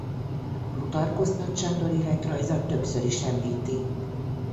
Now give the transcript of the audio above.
Plutarkhosz Nagy Sándor-életrajza többször is említi.